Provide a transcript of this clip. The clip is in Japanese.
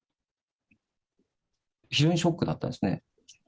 非常にショックだったですね。